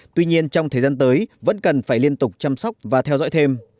tuy nhiên trong thời gian tới vẫn cần phải liên tục chăm sóc và theo dõi thêm